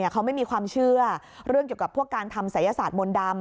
เขาไม่มีความเชื่อเรื่องเกี่ยวกับพวกการทำศัยศาสตร์มนต์ดำ